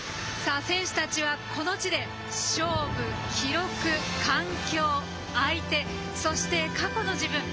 選手たちはこの地で、勝負、記録環境、相手そして、過去の自分。